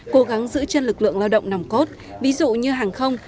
cố gắng giữ chân lực lượng lao động nòng cốt ví dụ như hàng không